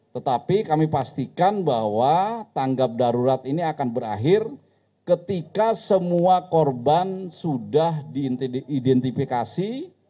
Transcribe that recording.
tetapi kami pastikan bahwa tanggap darurat ini akan berakhir ketika semua korban sudah diidentifikasi